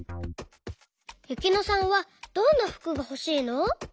ゆきのさんはどんなふくがほしいの？